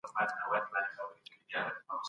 استازي څوک ننګولای سي؟